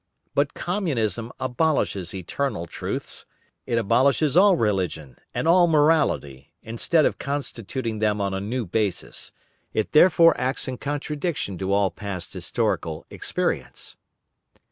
But Communism abolishes eternal truths, it abolishes all religion, and all morality, instead of constituting them on a new basis; it therefore acts in contradiction to all past historical experience."